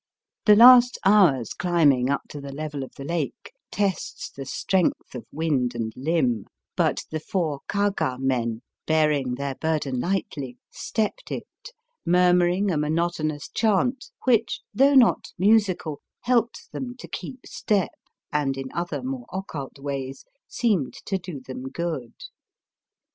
The last hour's climbing up to the level of the lake tests the strength of wind and limb ; but the four kaga men, bearing their burden lightly, stepped it, murmuring a monotonous chant which, though not musical, helped them to keep step and in other more occult ways seemed to do them good.